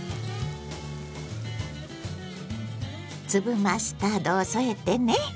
粒マスタードを添えてね。